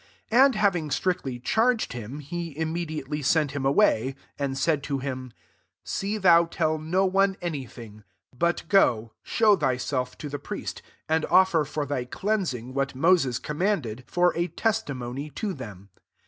43 And having strictly charged him, he immediately sent him away ; 44 and said to him, " See thou tell no one any thing : but go, show thyself to the priest, and offer for thy cleansing what Moses commanded ; for a tes timony to them."